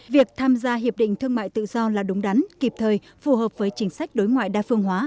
việc tham gia hiệp định thương mại tự do là đúng đắn kịp thời phù hợp với chính sách đối ngoại đa phương hóa